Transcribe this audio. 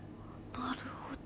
なるほど。